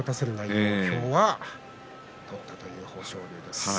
それを今日は取れたという豊昇龍です。